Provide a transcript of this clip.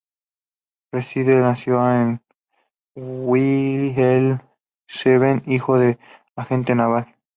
Riedel nació en Wilhelmshaven, hijo de un agente naval.